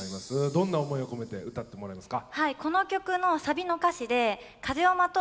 どんな思いを込めて歌ってもらえますか？